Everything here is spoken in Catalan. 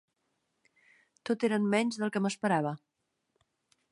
Tot eren menys del que m'esperava.